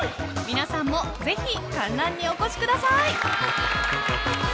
［皆さんもぜひ観覧にお越しください］